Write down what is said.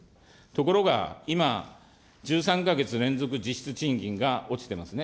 ところが、今、１３か月連続実質賃金が落ちてますね。